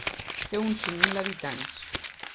Té uns cinc mil habitants.